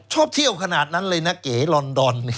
ชอบเที่ยวขนาดนั้นเลยนะเก๋ลอนดอน